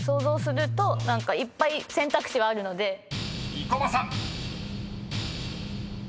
［生駒さん］